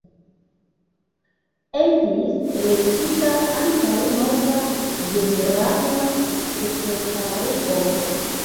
Estis elektita ankaŭ nova ĝenerala sekretario.